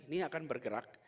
ini akan bergerak